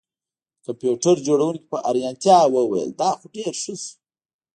د کمپیوټر جوړونکي په حیرانتیا وویل دا خو ډیر ښه شو